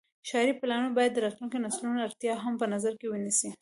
ښاري پلانونه باید د راتلونکو نسلونو اړتیاوې هم په نظر کې ونیسي.